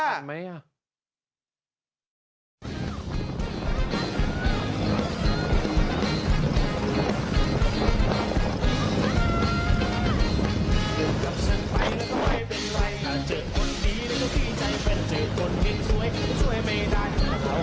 โอเคได้ขอบคุณนะครับ